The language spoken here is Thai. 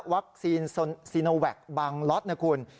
วัคซีนซีโนแวคบางล็อตนะคุณ